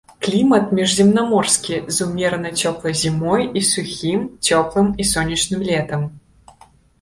Клімат міжземнаморскі з умерана цёплай зімой і сухім, цёплым і сонечным летам.